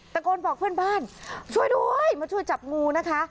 ตะโกนบอกเพื่อนบ้านช่วยด้วยมาช่วยจับงูนะคะ